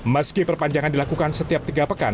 meski perpanjangan dilakukan setiap tiga pekan